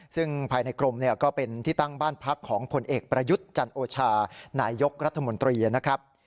ซึ่งภายในกรมเนี่ยก็เป็นที่ตั้งบ้านพักของผลเอกประยุทธ์จันโอชานายยกรัฐมนตรีนะครับ